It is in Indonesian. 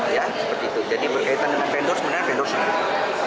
ya seperti itu jadi berkaitan dengan vendor sebenarnya vendor sendiri